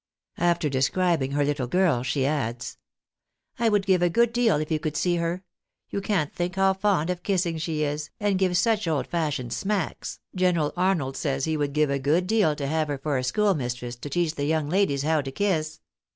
After describing her little girl, she adds: "I would give a good deal if you could see her; you can't think how fond of kissing she is, and gives such old fashioned smacks, General Arnold says he would give a good deal to have her for a school mistress, to teach the young ladies how to kiss.".